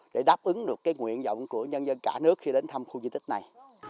để đáp ứng được cái nguyện vọng của nhân dân cả nước khi đến thăm khu di tích này